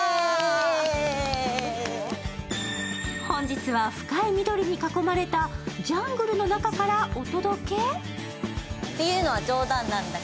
本日は深い緑に囲まれたジャングルの中からお届け。